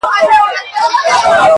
ته پاچا هغه فقیر دی بې نښانه!!